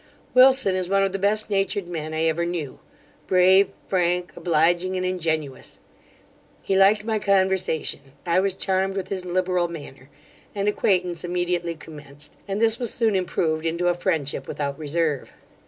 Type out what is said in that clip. Wilson is one of the best natured men I ever knew; brave, frank, obliging, and ingenuous He liked my conversation, I was charmed with his liberal manner; and acquaintance immediately commenced, and this was soon improved into a friendship without reserve.